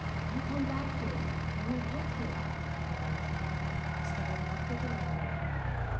"You come back here; you're my pumpkin," cried Antone and started after the runaway.